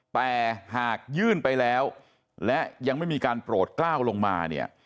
แต่หากยื่นไปแล้วและยังไม่มีการโปรดกล้าวลงมาเนี่ย